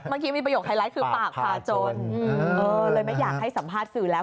เมื่อกี้มีประโยคไฮไลท์คือปากพาจนเลยไม่อยากให้สัมภาษณ์สื่อแล้ว